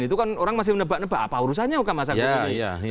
itu kan orang masih menebak nebak apa urusannya okamasagung ini